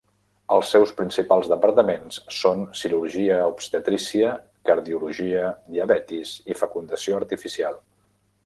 Els seus principals departaments són: cirurgia, obstetrícia, cardiologia, diabetis i fecundació artificial.